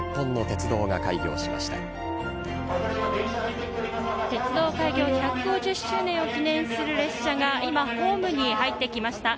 鉄道開業の１５０周年を記念する列車が今、ホームに入ってきました。